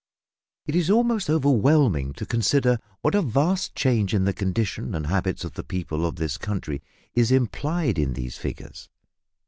It is almost overwhelming to consider what a vast change in the condition and habits of the people of this country is implied in these figures.